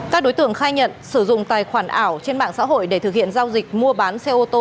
các đối tượng khai nhận sử dụng tài khoản ảo trên mạng xã hội để thực hiện giao dịch mua bán xe ô tô